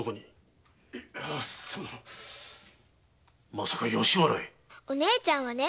まさか吉原へ⁉お姉ちゃんはね